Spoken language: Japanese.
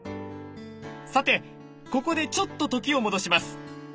さてここでちょっと時を戻します。